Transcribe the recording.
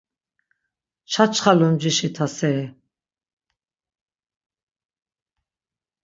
Çaçxa lumcişi taseri…